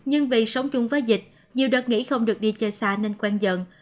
nhưng vì sống chung với dịch nhiều đợt nghỉ không được đi chơi xa nên quen dần